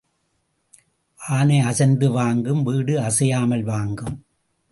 ஆனை அசைந்து வாங்கும், வீடு அசையாமல் வாங்கும்.